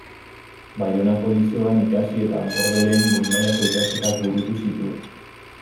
Baionako Lizeoan ikasi eta Bordelen goi-mailako ikasketak burutu zituen.